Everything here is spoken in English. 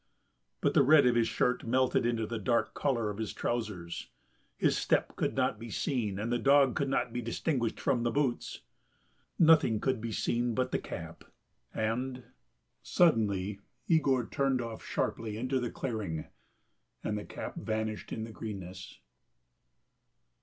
But the red of his shirt melted into the dark colour of his trousers, his step could not be seen, and the dog could not be distinguished from the boots. Nothing could be seen but the cap, and... suddenly Yegor turned off sharply into the clearing and the cap vanished in the greenness.